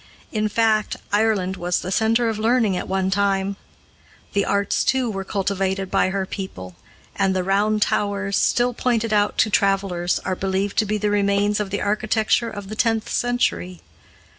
In fact, Ireland was the center of learning at one time. The arts, too, were cultivated by her people; and the round towers, still pointed out to travelers, are believed to be the remains of the architecture of the tenth century.